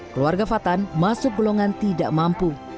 keluarga fatan masuk golongan tidak mampu